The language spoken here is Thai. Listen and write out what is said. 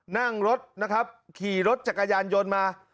นั่งรถนะครับขี่รถจักรยานยนต์มา